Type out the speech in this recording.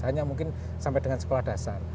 hanya mungkin sampai dengan sekolah dasar